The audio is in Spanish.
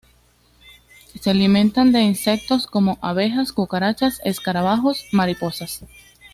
Se alimentan de insectos como abejas, cucarachas, escarabajos, mariposas.